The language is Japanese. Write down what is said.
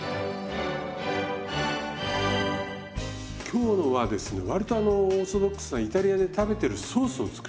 今日のはですね割とあのオーソドックスなイタリアで食べてるソースを作ります。